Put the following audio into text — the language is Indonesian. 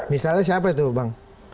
misalnya siapa itu bang